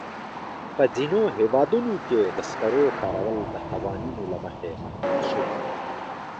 په ځینو هېوادونو کې د سکرو کارول د قوانینو له مخې محدود شوي.